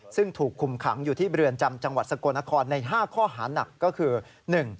ซึ่งถูกคุมขังอยู่ที่เรือนจำจังหวัดสกลนครใน๕ข้อหานักก็คือ